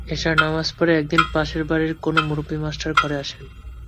এশার নামাজ পড়ে একদিন পাশের বাড়ির কোনো মুরব্বি মাস্টারের ঘরে আসেন।